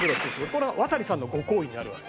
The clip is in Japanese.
これは渡さんのご厚意になるわけ。